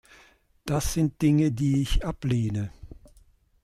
Das sind Dinge, die ich ablehne.